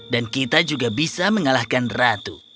dan kita juga bisa mengalahkan ratu